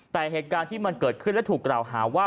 แต่เหตุการณ์ที่มันเกิดขึ้นและถูกกล่าวหาว่า